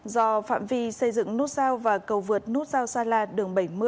do phạm vi xây dựng nút giao và cầu vượt nút giao gia la đường bảy mươi